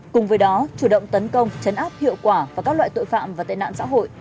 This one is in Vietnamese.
cùng với đó chủ động tấn công chấn áp hiệu quả vào các loại tội phạm và tên nạn xã hội